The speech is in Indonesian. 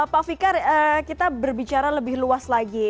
pak fikar kita berbicara lebih luas lagi